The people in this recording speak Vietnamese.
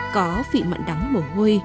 có vị mặn đắng mồ hôi